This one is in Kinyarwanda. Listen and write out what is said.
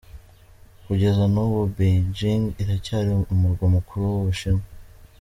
Kugeza n’ubu Beijing iracyari umurwa mukuru w’u Bushinwa.